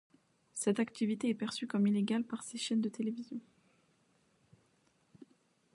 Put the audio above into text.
Cette activité est perçu comme illégale par ces chaines de télévision.